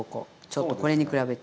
ちょっとこれに比べて。